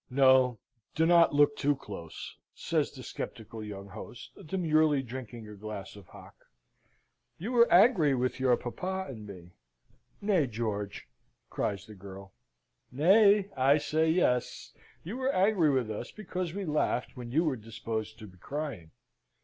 No. Do not look too close," says the sceptical young host, demurely drinking a glass of hock. "You were angry with your papa and me." "Nay, George!" cries the girl. "Nay? I say, yes! You were angry with us because we laughed when you were disposed to be crying.